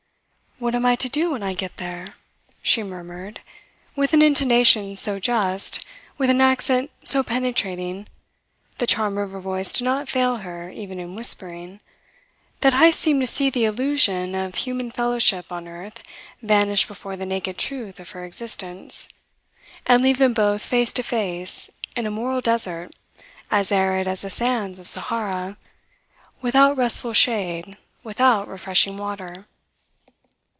"What am I to do when I get there?" she murmured with an intonation so just, with an accent so penetrating the charm of her voice did not fail her even in whispering that Heyst seemed to see the illusion of human fellowship on earth vanish before the naked truth of her existence, and leave them both face to face in a moral desert as arid as the sands of Sahara, without restful shade, without refreshing water.